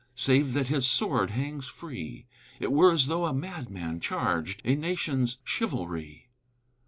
Save that his sword hangs free, It were as though a madman charged A nation's chivalry!